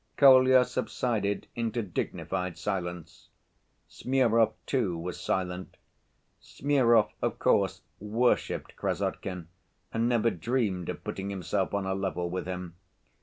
Kolya subsided into dignified silence. Smurov, too, was silent. Smurov, of course, worshiped Krassotkin and never dreamed of putting himself on a level with him.